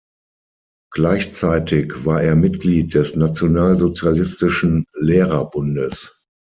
Gleichzeitig war er Mitglied des Nationalsozialistischen Lehrerbundes.